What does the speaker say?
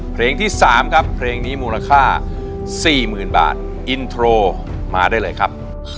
เพลงที่๓ครับเพลงนี้มูลค่า๔๐๐๐บาทอินโทรมาได้เลยครับ